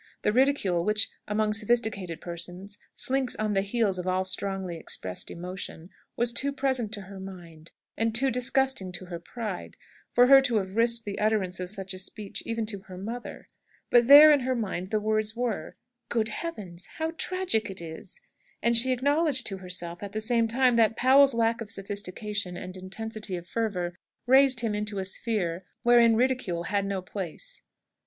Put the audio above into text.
The ridicule which, among sophisticated persons, slinks on the heels of all strongly expressed emotion, was too present to her mind, and too disgusting to her pride, for her to have risked the utterance of such a speech even to her mother. But there in her mind the words were, "Good Heaven; how tragic it is!" And she acknowledged to herself, at the same time, that Powell's lack of sophistication and intensity of fervour raised him into a sphere wherein ridicule had no place.